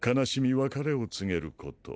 別れを告げる事。